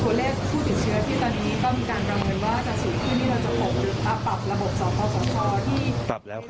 ขอเลื่อนสิ่งที่คุณหนูรู้สึก